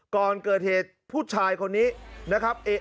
ก่อนเกิดเหตุผู้ชายคนนี้นะครับ